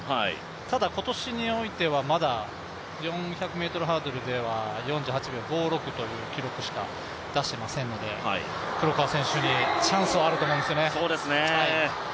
ただ、今年においてはただ、４００ｍハードルでは４８秒５６という記録しか出していませんので黒川選手にチャンスあると思うんですよね。